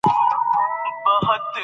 قانون د اداري کړنو مشروعیت تضمینوي.